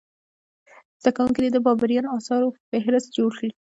زده کوونکي دې د بابریانو اثارو فهرست جوړ کړي.